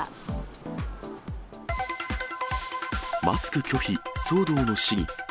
マスク拒否、騒動の市議。